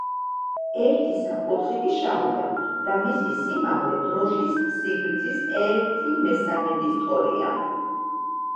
ერთი სამკუთხედი შავია და მისი სიმაღლე დროშის სიგრძის ერთი მესამედის ტოლია.